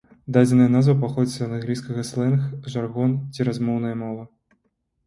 Дадзеная назва паходзіць ад англійскага слэнг, жаргон ці размоўная мова.